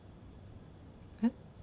えっ？